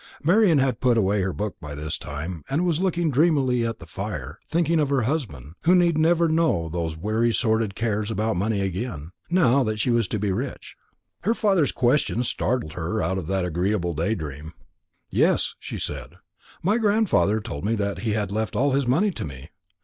Marian had put away her book by this time, and was looking dreamily at the fire, thinking of her husband, who need never know those weary sordid cares about money again, now that she was to be rich. Her father's question startled her out of that agreeable day dream. "Yes," she said; "my grandfather told me that he had left all his money to me.